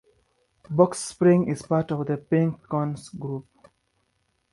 Box Spring is part of the Pink Cone Group.